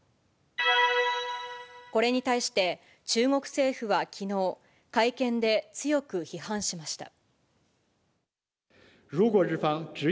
これに対して、中国政府はきのう、会見で強く批判しました。